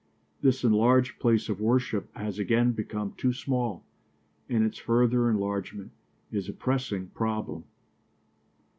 This enlarged place of worship has again become too small, and its further enlargement is a pressing problem.